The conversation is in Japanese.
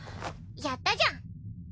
やったじゃん！